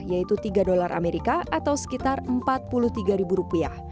yaitu tiga dolar amerika atau sekitar rp empat puluh tiga rupiah